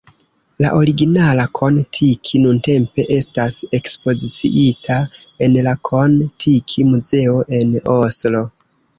La originala Kon-Tiki nuntempe estas ekspoziciita en la Kon-Tiki Muzeo en Oslo.